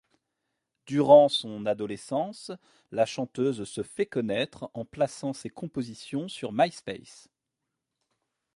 Durant son adolescence, la chanteuse se fait connaître en plaçant ses compositions sur Myspace.